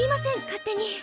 勝手に。